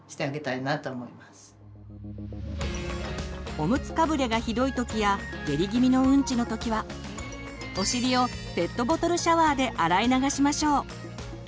おむつかぶれがひどい時や下痢気味のうんちの時はお尻をペットボトルシャワーで洗い流しましょう。